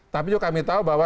tapi juga kami tahu bahwa